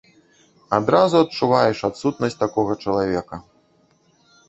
Адразу адчуваеш адсутнасць такога чалавека.